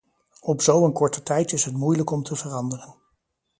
Op zo een korte tijd is het moeilijk om te veranderen.